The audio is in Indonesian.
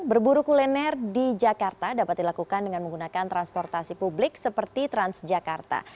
berburu kuliner di jakarta dapat dilakukan dengan menggunakan transportasi publik seperti transjakarta